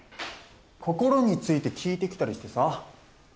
心について聞いてきたりしてさぁ。